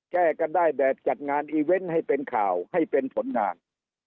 แก้กันได้แบบจัดงานอีเวนต์ให้เป็นข่าวให้เป็นผลงาน